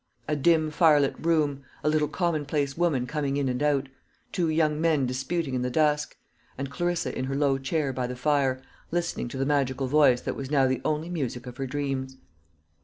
A dim firelit room; a little commonplace woman coming in and out; two young men disputing in the dusk; and Clarissa in her low chair by the fire, listening to the magical voice that was now the only music of her dreams.